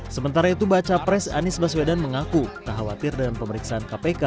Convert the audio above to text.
sementara itu baca pres anies baswedan mengaku tak khawatir dengan pemeriksaan kpk